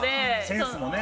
センスもね。